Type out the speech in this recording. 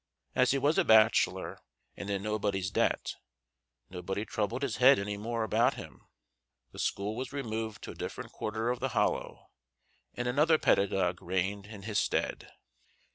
As he was a bachelor and in nobody's debt, nobody troubled his head any more about him, the school was removed to a different quarter of the hollow and another pedagogue reigned in his stead.